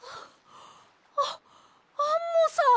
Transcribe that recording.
はっアアンモさん！